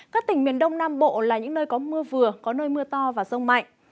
các tỉnh miền đông nam bộ là những nơi có mưa vừa có nơi mưa to và rông mạnh